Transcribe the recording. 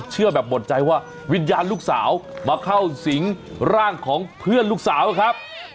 เชื่อแบบหมดใจว่าวิญญาณลูกสาวมาเข้าสิงร่างของเพื่อนลูกสาวครับ